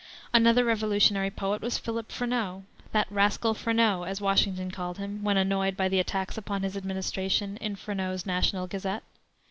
Another Revolutionary poet was Philip Freneau; "that rascal Freneau," as Washington called him, when annoyed by the attacks upon his administration in Freneau's National Gazette.